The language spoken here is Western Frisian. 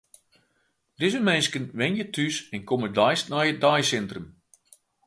Dizze minsken wenje thús en komme deis nei it deisintrum.